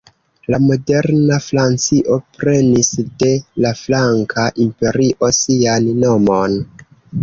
La moderna Francio prenis de la Franka Imperio sian nomon.